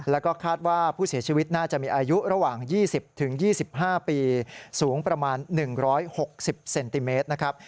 แล้วก็คาดว่าผู้เสียชีวิตน่าจะมีอายุระหว่าง๒๐๒๕ปีสูงประมาณ๑๖๐เซนติเมตรนะครับ